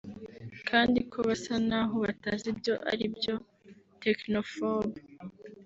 kandi ko basa n’aho batazi ibyo ari byo (technophobe)